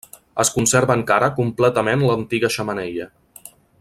Es conserva encara completament l'antiga xemeneia.